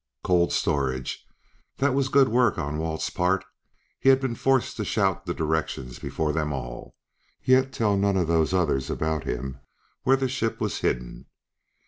"Cold storage!" That was good work on Walt's part. He had been forced to shout the directions before them all, yet tell none of those others about him where the ship was hidden.